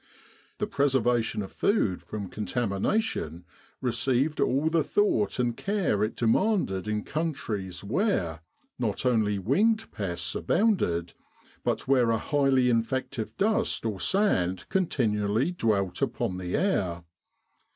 The preservation of food from contamination received all the thought and care it demanded in countries where, not only winged pests abounded, but where 4 highly infective dust or sand continually Bwelt upon the air.